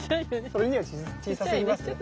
それには小さすぎますね。